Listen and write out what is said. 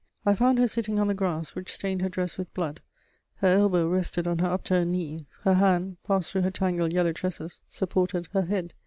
I found her sitting on the grass, which stained her dress with blood: her elbow rested on her upturned knees; her hand, passed through her tangled yellow tresses, supported her head.